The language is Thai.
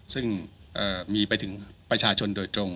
ซึ่งมีไปถึงประชาชนโดยตรง